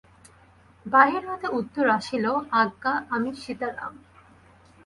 বাহির হইতে উত্তর আসিল, আজ্ঞা, আমি সীতারাম।